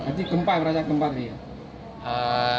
nanti gempa merasa gempa gitu ya